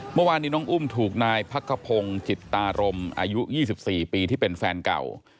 เมื่อวานนี้น้องอุ้มถูกนายพักขพงศ์จิตตารมอายุ๒๔ปีที่เป็นแฟนเก่า